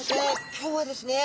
今日はですね